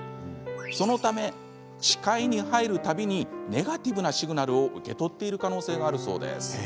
そのため視界に入る度にネガティブなシグナルを受け取っている可能性があるそうです。